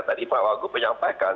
tadi pak waguh menyampaikan